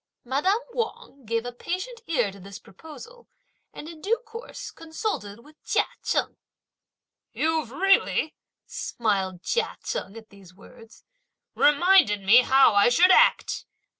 Madame Wang gave a patient ear to this proposal, and, in due course, consulted with Chia Cheng. "You've really," smiled Chia Cheng at these words, "reminded me how I should act!